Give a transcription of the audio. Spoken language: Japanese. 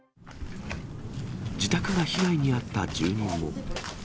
自宅が被害に遭った住民も。